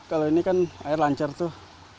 kalau ini kan air lancar tuh